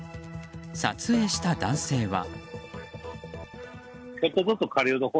撮影した男性は。